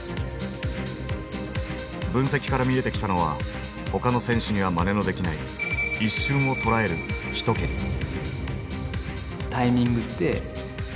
分析から見えてきたのはほかの選手にはまねのできない一瞬をとらえる一蹴り。